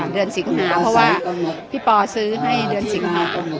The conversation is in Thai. เดือนสิงหาเพราะว่าพี่ปอซื้อให้เดือนสิงหา